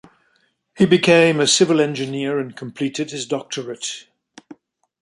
He became a civil engineer and completed his doctorate.